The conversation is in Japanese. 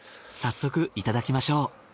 早速いただきましょう。